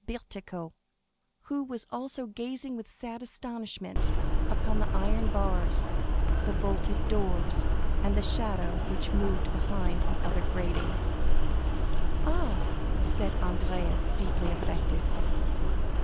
Bertuccio, who was also gazing with sad astonishment upon the iron bars, the bolted doors, and the shadow which moved behind the other grating. "Ah," said Andrea, deeply affected.